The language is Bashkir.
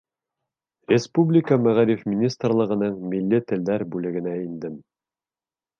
Республика Мәғариф министрлығының милли телдәр бүлегенә индем.